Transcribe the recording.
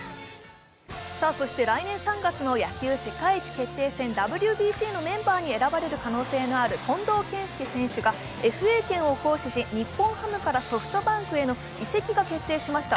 来年３月のＷＢＣのメンバーに選ばれる可能性のある近藤健介選手がＦＡ権を行使し日本ハムからソフトバンクへの移籍が決定しました。